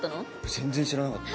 全然知らなかった。